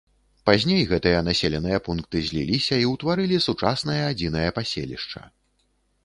Пазней гэтыя населеныя пункты зліліся і ўтварылі сучаснае адзінае паселішча.